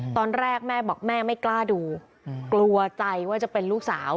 ตอนแรกแม่บอกแม่ไม่กล้าดูกลัวใจว่าจะเป็นลูกสาว